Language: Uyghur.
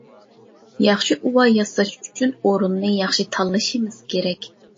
-ياخشى ئۇۋا ياساش ئۈچۈن ئورۇننى ياخشى تاللىشىمىز كېرەك.